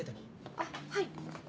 あっはい。